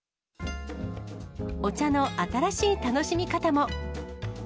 お茶の新しい楽しみ方も。